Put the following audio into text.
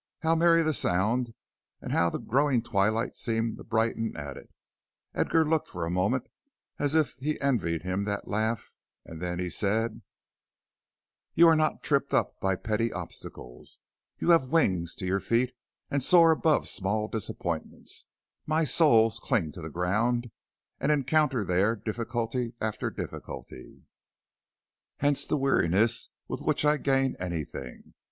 How merry the sound, and how the growing twilight seemed to brighten at it! Edgar looked for a moment as if he envied him that laugh, then he said: "You are not tripped up by petty obstacles. You have wings to your feet and soar above small disappointments. My soles cling to the ground and encounter there difficulty after difficulty. Hence the weariness with which I gain anything.